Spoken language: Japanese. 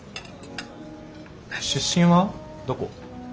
出身はどこ？